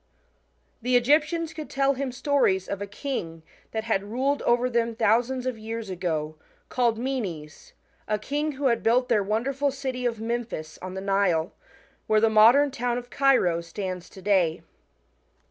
The Egyptians could tell him stories of a king, that had ruled over them thousands of years ago, called Menes, a king who had buUt their wonderful city of Memphis on the Nile, where the* modern town of Cairo stands to day.